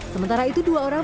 sementara itu dua orang